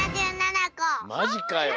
マジかよ！